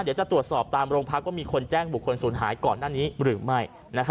เดี๋ยวจะตรวจสอบตามโรงพักว่ามีคนแจ้งบุคคลศูนย์หายก่อนหน้านี้หรือไม่